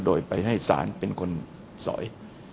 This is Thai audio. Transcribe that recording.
โดยไปให้ศาลเป็นคนสอย